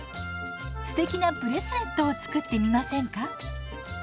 すてきなブレスレットを作ってみませんか？